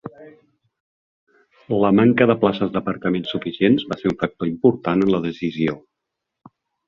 La manca de places d'aparcament suficients va ser un factor important en la decisió.